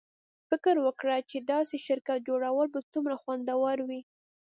فکر وکړه چې د داسې شرکت جوړول به څومره خوندور وي